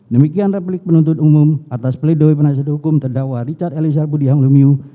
demikian replik penuntut umum atas peledoi penasihat hukum terdawa richard elisarpudi hanglumiu